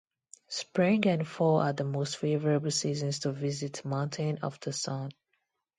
Spring and fall are the most favorable seasons to visit Mountain of the Sun.